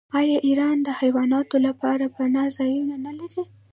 آیا ایران د حیواناتو لپاره پناه ځایونه نلري؟